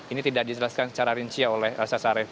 ini tidak dijelaskan secara rinci oleh elsa syarif